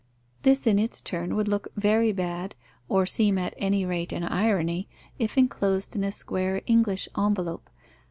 This in its turn would look very bad, or seem at any rate an irony, if enclosed in a square English envelope.